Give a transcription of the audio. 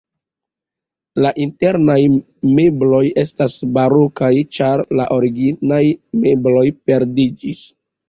La internaj mebloj estas barokaj, ĉar la originaj mebloj perdiĝis.